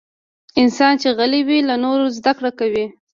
انسان چې غلی وي، له نورو زدکړه کوي.